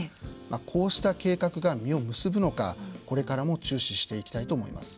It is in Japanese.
こうした計画が実を結ぶのか、これからも注視していきたいと思います。